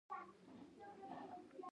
کوم وړتیا نظر کې ونیول شي.